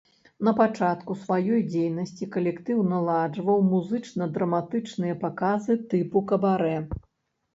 Напачатку сваёй дзейнасці калектыў наладжваў музычна-драматычныя паказы тыпу кабарэ.